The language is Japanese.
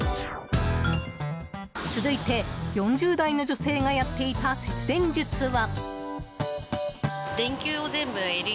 続いて４０代の女性がやっていた節電術は。